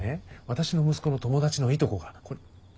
私の息子の友達のいとこが。